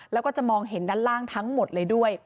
แล้วก็จะมองเห็นด้านล่างทั้งหมดเลยด้วย